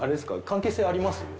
関係性あります？